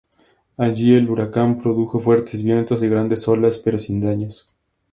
Allí, el huracán produjo fuertes vientos y grandes olas, pero sin daños.